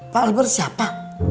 pak albert siapa